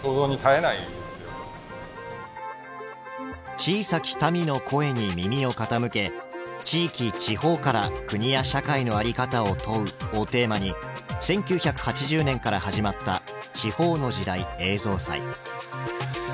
「小さき民の声に耳を傾け地域・地方から国や社会の在り方を問う」をテーマに１９８０年から始まった「地方の時代」映像祭。